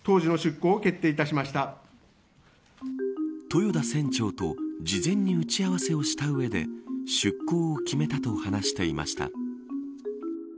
豊田船長と事前に打ち合わせをした上で出航を決めたと話していました。